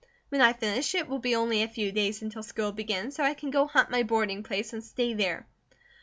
When I finish it will be only a few days until school begins, so I can go hunt my boarding place and stay there."